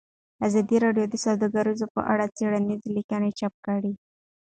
ازادي راډیو د سوداګري په اړه څېړنیزې لیکنې چاپ کړي.